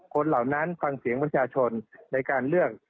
เหล่านั้นฟังเสียงประชาชนในการเลือก